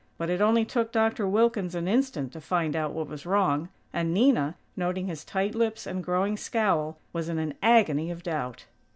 But it only took Doctor Wilkins an instant to find out what was wrong; and Nina, noting his tight lips and growing scowl was in an agony of doubt.